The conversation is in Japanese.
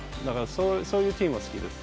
そういうチームは好きです。